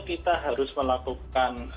kita harus melakukan